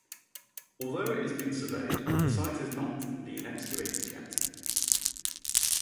Although it has been surveyed, the site has not been excavated yet.